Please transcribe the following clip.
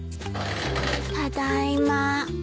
ただいま。